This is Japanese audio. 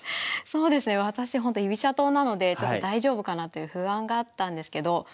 そうですね私ほんと居飛車党なのでちょっと大丈夫かなという不安があったんですけど